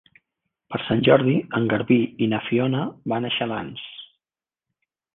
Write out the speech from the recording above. Per Sant Jordi en Garbí i na Fiona van a Xalans.